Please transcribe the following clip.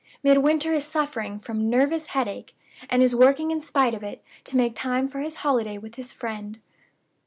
Midwinter is suffering from nervous headache; and is working in spite of it, to make time for his holiday with his friend."